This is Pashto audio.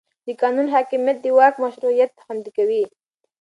د قانون حاکمیت د واک مشروعیت خوندي کوي